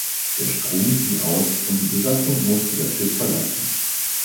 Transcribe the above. Der Strom fiel aus und die Besatzung musste das Schiff verlassen.